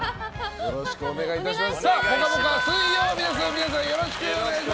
よろしくお願いします。